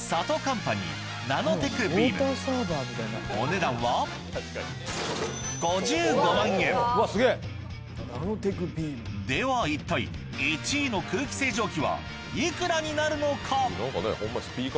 お値段はでは一体１位の空気清浄機はいくらになるのか？